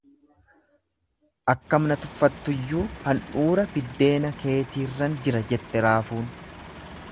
Akkam na tuffattuyyuu handhuura biddeena keetiirran jira, jette raafuun.